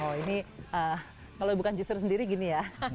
oh ini kalau bukan justru sendiri gini ya